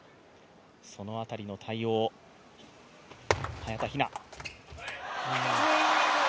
その辺りの対応、早田ひな。